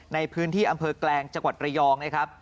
ในพื้นที่อำเภอแกลงจังหวัดระยองนะครับ